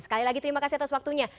sekali lagi terima kasih atas waktunya